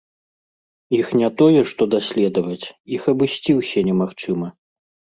Іх не тое, што даследаваць, іх абысці ўсе немагчыма!